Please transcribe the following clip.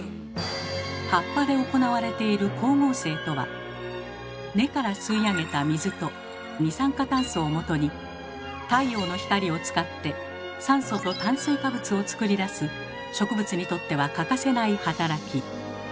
葉っぱで行われている「光合成」とは根から吸い上げた水と二酸化炭素をもとに太陽の光を使って酸素と炭水化物を作り出す植物にとっては欠かせない働き。